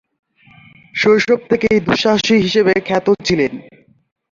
শৈশব থেকেই দুঃসাহসী হিসেবে খ্যাত ছিলেন।